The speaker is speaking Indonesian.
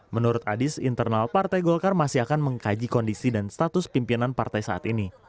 menurut adis internal partai golkar masih akan mengkaji kondisi dan status pimpinan partai saat ini